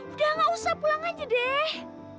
udah gak usah pulang aja deh